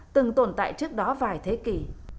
từng tồn tại trước đó vài thế kỷ